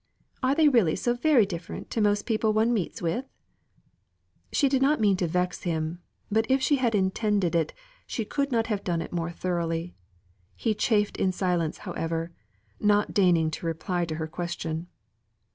Are they really so very different to most people one meets with?" She did not mean to vex him; but if she had intended it, she could not have done it more thoroughly. He chafed in silence, however, not deigning to reply to her question.